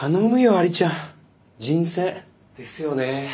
有ちゃん人選。ですよね。